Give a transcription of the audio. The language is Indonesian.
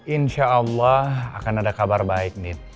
insya allah akan ada kabar baik nih